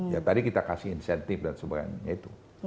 ya tadi kita kasih insentif dan sebagainya itu